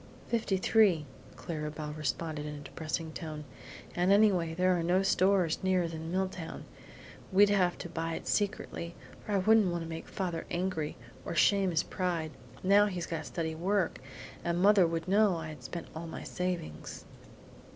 "Fifty three," Clara Belle responded, in a depressing tone; "and anyway there are no stores nearer than Milltown. We'd have to buy it secretly, for I wouldn't make father angry, or shame his pride, now he's got steady work; and mother would know I had spent all my savings."